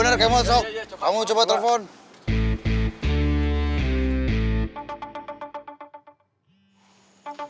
dikita a siem temen aku